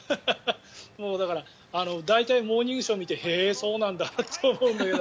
だから、大体「モーニングショー」を見てへえ、そうなんだって思うんだけど。